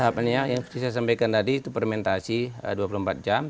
tahapannya yang saya sampaikan tadi itu fermentasi dua puluh empat jam